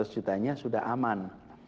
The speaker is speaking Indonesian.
dua ratus jutanya sudah aman